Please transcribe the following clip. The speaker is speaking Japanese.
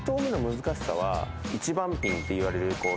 １番ピンっていわれるこう